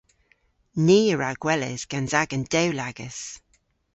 Ni a wra gweles gans agan dewlagas.